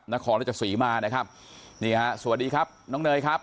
นครราชสีมานะครับนี่ฮะสวัสดีครับน้องเนยครับ